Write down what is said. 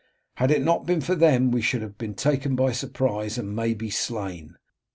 Had it not been for them we should all have been taken by surprise, and maybe slain.